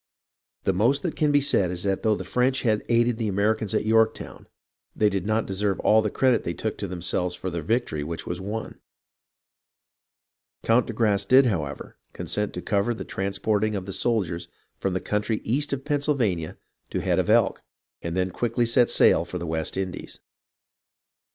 The most that can be said is that though the French had aided the Americans at Yorktown, they did not deserve all the credit they took to themselves for the victory which was won. Count de Grasse did, however, consent to cover the transporting of the soldiers from the country east of Pennsylvania to the Head of Elk, and then quickly set sail for the West Indies.